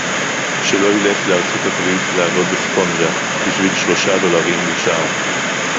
שלא ילך לארצות-הברית לעבוד בספונג'ה בשביל שלושה דולרים לשעה